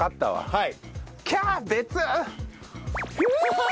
はい。